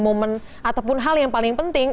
momen ataupun hal yang paling penting